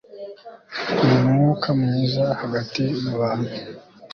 n'umwuka mwiza hagati mu bantu